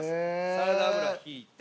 サラダ油引いて。